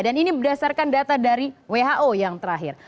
dan ini berdasarkan data dari who yang terakhir